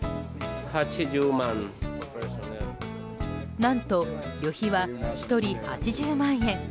何と、旅費は１人８０万円。